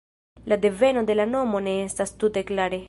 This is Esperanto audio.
La deveno de la nomo ne estas tute klare.